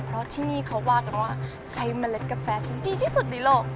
เพราะที่นี่เขาว่ากันว่าใช้เมล็ดกาแฟที่ดีที่สุดในโลก